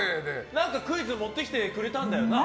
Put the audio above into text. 何かクイズ持ってきてくれたんだよな？